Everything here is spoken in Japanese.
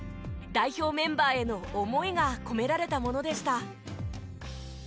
代表メンバーへの思いが込められたものでした。